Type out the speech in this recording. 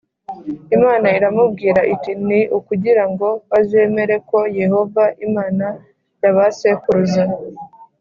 Imana iramubwira iti ni ukugira ngo bazemere ko yehova imana ya ba sekuruza